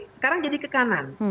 sekarang jadi ke kanan